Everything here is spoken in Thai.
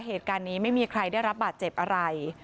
เหตุการณ์นี้ไม่มีใครได้รับบาดเจ็บอะไร